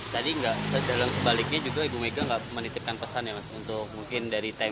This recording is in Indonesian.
tadi dalam sebaliknya juga ibu mega nggak menitipkan pesan ya mas untuk mungkin dari tkp